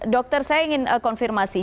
dokter saya ingin konfirmasi